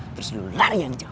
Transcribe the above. terus lu lari yang jauh